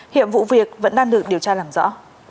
hiện vụ việc vẫn đang được điều tra làm rõ